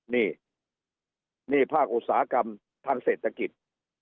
นี่นี่ภาคอุตสาหกรรมทางเศรษฐกิจ